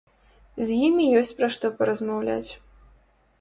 З імі ёсць пра што паразмаўляць.